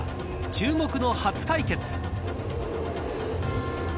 注目の初対決。